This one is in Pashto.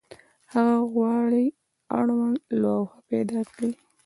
هغه غواړي اړوند لوحه پیدا کړي.